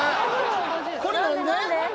これ何で？